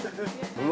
うわ。